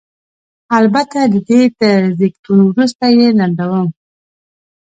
البته د دې تر زېږون وروسته یې لنډوم.